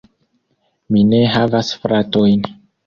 Mi ne havas fratojn.